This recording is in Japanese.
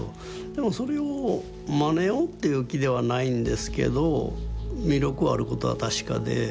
でもそれをまねようっていう気ではないんですけど魅力あることは確かで。